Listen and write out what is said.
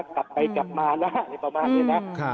กลับไปกลับมานะอะไรประมาณนี้นะ